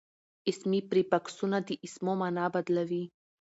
اسمي پریفکسونه د اسمو مانا بدلوي.